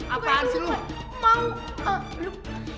apaan sih lu